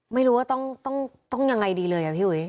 ไม่รู้ว่าต้องยังไงดีเลยอะพี่อุ๋ย